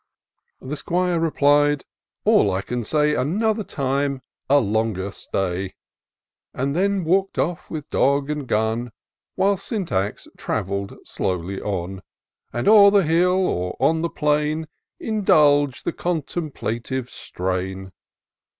The 'Squire repKed— ■" All I can say — Another time, a longer stay." He then walk'd off with dog and gun. While Syntax travelled slowly on; And, o'er the hill, or on the plain, Indulg'd the contemplative strain.